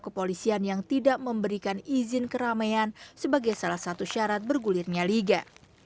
kepolisian yang tidak memberikan izin keramaian sebagai salah satu syarat bergulirnya liga